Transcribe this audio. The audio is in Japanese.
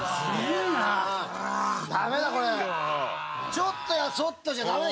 ちょっとやそっとじゃ駄目だ。